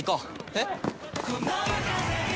えっ？